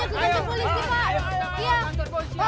udah mau aja ke kantor polisi pak